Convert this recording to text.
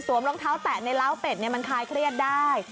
รองเท้าแตะในล้าวเป็ดมันคลายเครียดได้